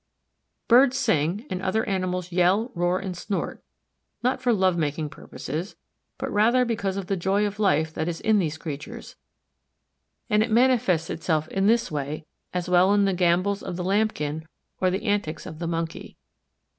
Birds sing and other animals yell, roar, and snort, not for love making purposes, but rather because of the joy of life that is in these creatures, and it manifests itself in this way as well as in the gambols of the Lambkin or the antics of the Monkey.